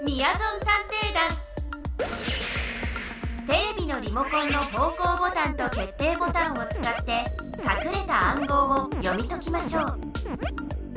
テレビのリモコンの方向ボタンと決定ボタンをつかってかくれた暗号を読み解きましょう。